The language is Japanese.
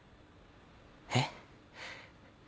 えっ？